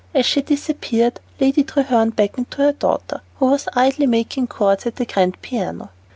As she disappeared, Lady Treherne beckoned to her daughter, who was idly making chords at the grand piano.